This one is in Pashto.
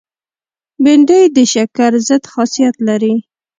بېنډۍ د شکر ضد خاصیت لري